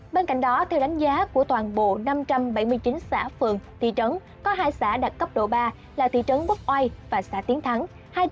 bên cạnh đó theo đánh giá của toàn bộ năm trăm bảy mươi chín xã phường thị trấn có hai xã đạt cấp độ ba là thị trấn bốc oai và xã tiến thắng